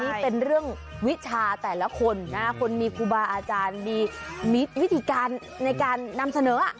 นี่เป็นเรื่องวิชาแต่ละคนนะคนมีครูบาอาจารย์มีวิธีการในการนำเสนอ